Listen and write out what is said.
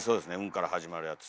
「ん」から始まるやつ。